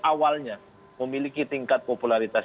awalnya memiliki tingkat popularitas